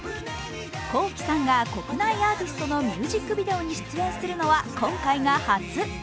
Ｋｏｋｉ，さんが国内アーティストのミュージックビデオに出演するのは今回が初。